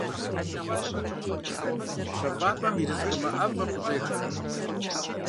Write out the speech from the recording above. ПщэфӀапӀэм ерыскъымэ ӀэфӀыр къыщӀех…